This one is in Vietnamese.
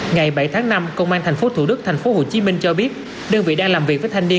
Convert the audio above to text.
ngày bảy tháng năm công an tp thủ đức tp hcm cho biết đơn vị đang làm việc với thanh niên